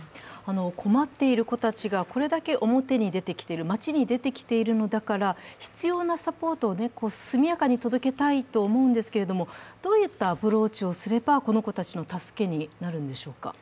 困っている子たちがこれだけ表に出てきている、街に出てきているのだから必要なサポートを速やかに届けたいと思うんですけれども、どういったアプローチをすれば、この子たちの助けになるんでしょうか？